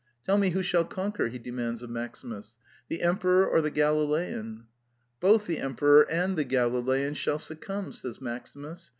'^ Tell me who shall conquer," he demands of Maximus: "the emperor or the Galilean?" " Both the emperor and the Galilean shall suc cumb," says Maximus.